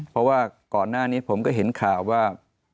เพราะว่าก่อนหน้านี้ผมก็เห็นข่าวว่า